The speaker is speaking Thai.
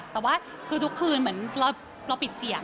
แต่ว่าคือทุกคืนเหมือนเราปิดเสียง